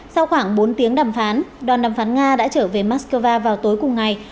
sau khoảng bốn tiếng đàm phán đoàn đàm phán nga đã trở về moscow vào tối cùng ngày